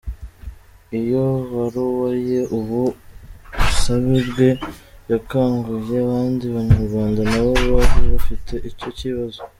Iyo baruwa ye Ubu busabe bwe yakanguye abandi Banyarwanda nabo bari bafite icyo kibazo.